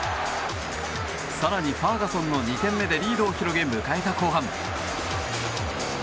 更に、ファーガソンの２点目でリードを広げ迎えた後半。